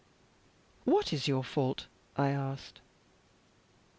"What is your fault?" I asked.